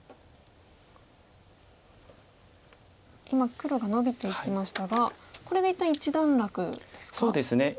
今黒がノビていきましたがこれで一旦一段落ですか。